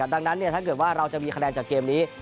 ดังนั้นถ้าเกิดว่าเราจะมีคะแนนจากเกมนี้